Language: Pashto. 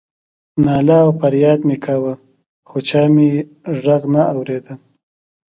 ناله او فریاد مې کاوه خو چا مې غږ نه اورېده.